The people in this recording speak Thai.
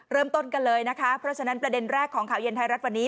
เริ่มต้นกันเลยนะคะเพราะฉะนั้นประเด็นแรกของข่าวเย็นไทยรัฐวันนี้